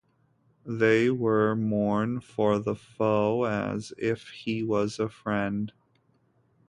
They were mourn for the foe as if he was a friend.